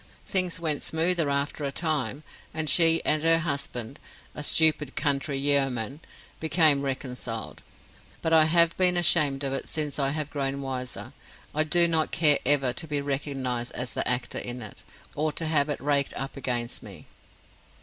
Things went smoother after a time, and she and her husband a stupid country yeoman became reconciled; but I have been ashamed of it since I have grown wiser, and I do not care ever to be recognized as the actor in it, or to have it raked up against me."